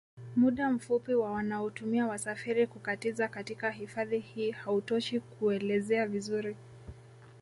Muda mfupi wa wanaotumia wasafiri kukatiza katika hifadhi hii hautoshi kuelezea vizuri